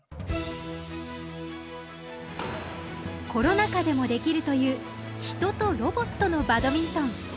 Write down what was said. コロナ禍でもできるという人とロボットのバドミントン。